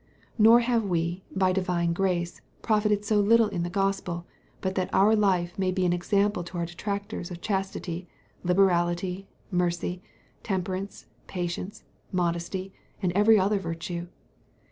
Nor have we, by Divine Grace, profited so little in the Gospel, but that our life may be an example to our detractors of chastity, liberality, mercy, temperance, patience, modesty, and every other virtue.